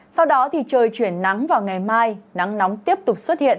sau đó thì trời chuyển nắng vào ngày mai nắng nóng tiếp tục xuất hiện